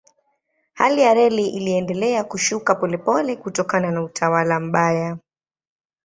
Hali ya reli iliendelea kushuka polepole kutokana na utawala mbaya.